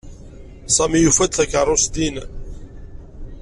Sami yufa-d takeṛṛust din.